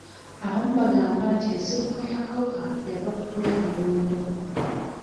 Abamu bagamba nti ensibuko y'akawuka yava ku kulya buwundo.